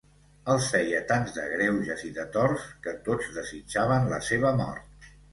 Els feia tants de greuges i de torts que tots desitjaven la seva mort.